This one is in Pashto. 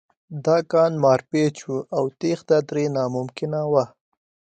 دا کان مارپیچ و او تېښته ترې ناممکنه وه